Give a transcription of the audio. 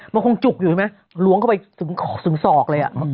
มันคงจุกอยู่ใช่ไหมล้วงเข้าไปถึงศอกเลย